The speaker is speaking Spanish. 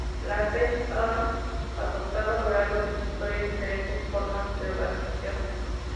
La Fech ha adoptado a lo largo de su historia, diferentes formas de organización.